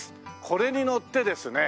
これに乗ってですね